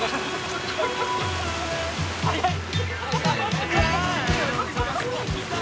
・早い。